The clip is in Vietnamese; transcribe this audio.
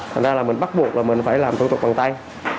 thành ra là mình bắt buộc là mình phải làm thủ tục bằng tay